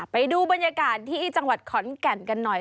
ไปดูบรรยากาศที่จังหวัดขอนแก่นกันหน่อย